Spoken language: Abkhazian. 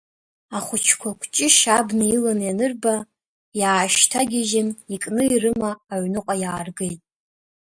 Ахәыҷқәа акәҷышь абна иланы ианырба, иаашьҭагьежьын, икны ирыма аҩныҟа иааргеит.